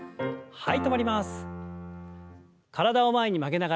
はい。